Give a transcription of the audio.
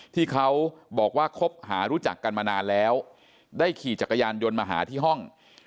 ที่เขาบอกว่าคบหารู้จักกันมานานแล้วได้ขี่จักรยานยนต์มาหาที่ห้อง